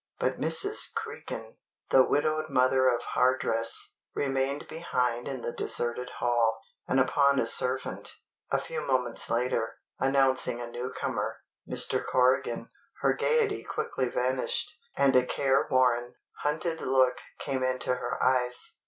But Mrs. Cregan, the widowed mother of Hardress, remained behind in the deserted hall; and upon a servant, a few moments later, announcing a newcomer, "Mr. Corrigan," her gaiety quickly vanished, and a careworn, hunted look came into her eyes.